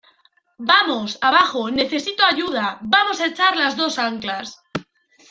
¡ vamos, abajo , necesito ayuda! ¡ vamos a echar las dos anclas !